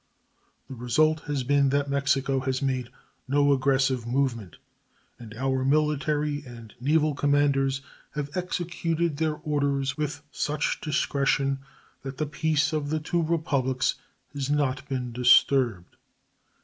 The result has been that Mexico has made no aggressive movement, and our military and naval commanders have executed their orders with such discretion that the peace of the two Republics has not been disturbed.